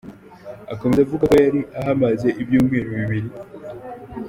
Akomeza avuga ko yari ahamaze ibyumweru bibiri.